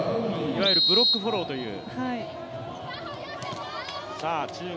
いわゆるブロックフォローという。